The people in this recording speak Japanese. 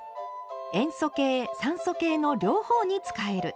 「塩素系酸素系の両方に使える」。